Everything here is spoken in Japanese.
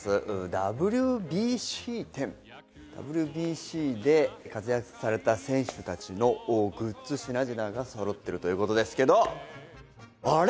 ＷＢＣ展、ＷＢＣで活躍された選手たちのグッズ、品々がそろっているということですけど、あれ？